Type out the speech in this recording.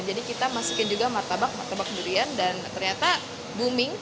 jadi kita masukin juga martabak durian dan ternyata booming